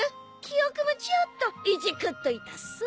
記憶もちょっといじくっといたっす。